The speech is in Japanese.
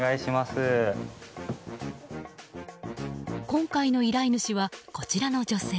今回の依頼主はこちらの女性。